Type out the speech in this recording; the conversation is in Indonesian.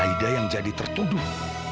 aida yang jadi tertuduh